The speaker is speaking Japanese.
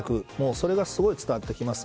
それがすごい伝わってきます。